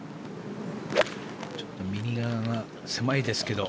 ちょっと右側は狭いですけど。